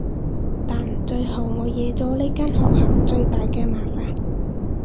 但最後我惹咗呢間學校最大嘅麻煩